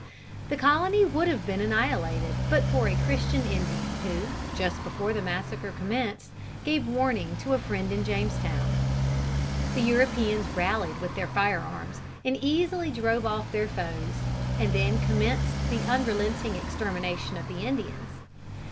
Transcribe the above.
The colony would have been annihilated, but for a Christian Indian who, just before the massacre commenced, gave warning to a friend in Jamestown. The Europeans rallied with their fire arms, and easily drove off their foes, and then commenced the unrelenting extermination of the Indians.